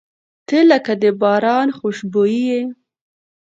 • ته لکه د باران خوشبويي یې.